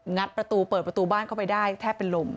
ประตูเปิดประตูบ้านเข้าไปได้แทบเป็นลม